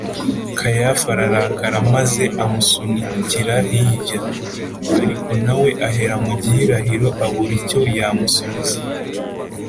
kayafa ararakara maze amusunikira hirya, ariko na we ahera mu gihirahiro abura icyo yamusubiza